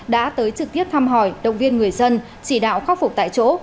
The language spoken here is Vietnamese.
đã tới trực tiếp thăm hỏi động viên người dân chỉ đạo khắc phục tại chỗ